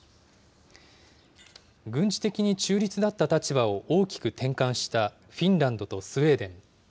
軍事的に中立だった立場を大きく転換したフィンランドとスウェーデン。